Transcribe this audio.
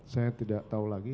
saya tidak tahu lagi